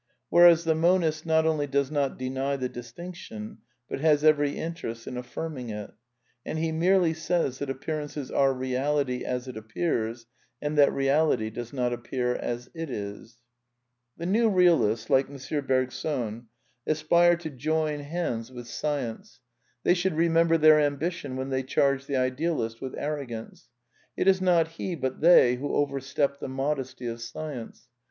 Whereas the monist not only does not deny the dis tinction, but has every interest in affirming it; and he merely says that appearances are Beality as it appears, and that Beality does not appear as it is. The new realists, like M. Bergson, aspire to join hands vy 288 A DEFENCE OF IDEALISM with Science. They should remember their ambition when they charge the idealist with arrogance. It is not he but they who overstep the modesty of Science.